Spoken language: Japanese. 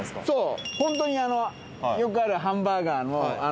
そうホントによくあるハンバーガーの。